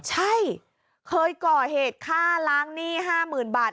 ใช่เคยก่อเหตุฆ่าล้างหนี้๕๐๐๐บาท